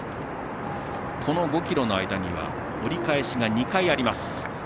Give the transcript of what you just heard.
この５ｋｍの間には折り返しが２回あります。